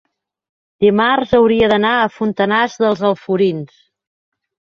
Dimarts hauria d'anar a Fontanars dels Alforins.